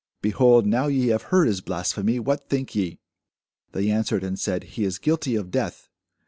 behold, now ye have heard his blasphemy. What think ye? They answered and said, He is guilty of death.